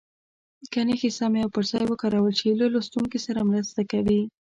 که نښې سمې او پر ځای وکارول شي له لوستونکي سره مرسته کوي.